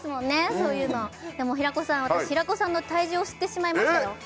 そういうのでも平子さん私平子さんの体重を知ってしまいましたよ